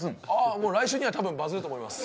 もう来週には多分バズると思います